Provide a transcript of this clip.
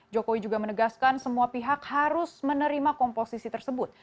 jokowi juga menegaskan semua pihak harus menerima komposisi tersebut